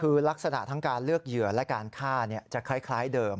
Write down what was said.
คือลักษณะทั้งการเลือกเหยื่อและการฆ่าจะคล้ายเดิม